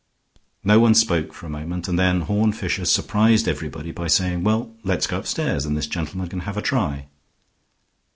No one spoke for a moment, and then Horne Fisher surprised everybody by saying, "Well, let's go upstairs, and this gentleman can have a try."